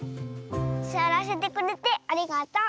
すわらせてくれてありがとう。